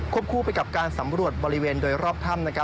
คู่ไปกับการสำรวจบริเวณโดยรอบถ้ำ